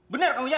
bener kamu ya